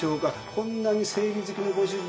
こんなに整理好きのご主人なのに。